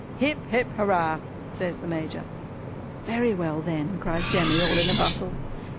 "Hip hip Hurrah!" says the Major. "Very well then," cries Jemmy all in a bustle.